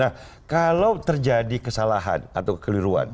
nah kalau terjadi kesalahan atau keliruan